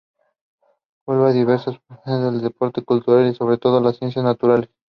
Cultiva diversas facetas del deporte, la cultura y, sobre todo, las Ciencias Naturales.